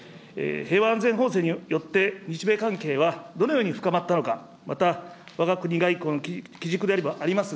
平和安全法制によって日米関係はどのように深まったのか、また、わが国外交のきじくであります